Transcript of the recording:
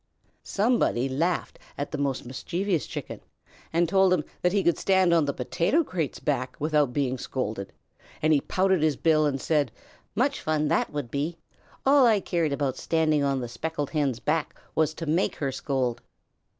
Somebody laughed at the most mischievous Chicken and told him he could stand on the potato crate's back without being scolded, and he pouted his bill and said: "Much fun that would be! All I cared about standing on the Speckled Hen's back was to make her scold."